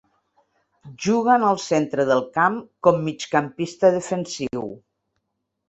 Juga en el centre del camp, com migcampista defensiu.